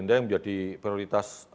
yang ingin menjadi prioritas